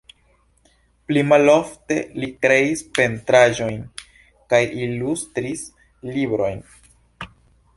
Pli malofte li kreis pentraĵojn kaj ilustris librojn.